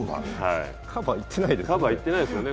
カバー行ってないですよね。